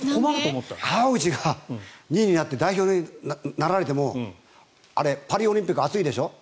川内が２位になって代表になられてもパリオリンピック暑いでしょ。